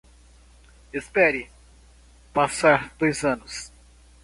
Espere passar dois anos